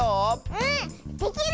うんできる！